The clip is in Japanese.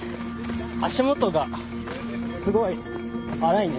足元がすごい荒いね。